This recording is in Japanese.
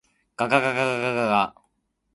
がががががが